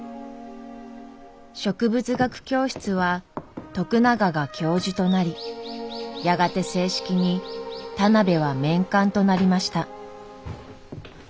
植物学教室は徳永が教授となりやがて正式に田邊は免官となりました。